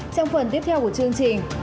trong phần tiếp theo của chương trình